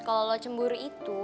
kalau lo cemburu itu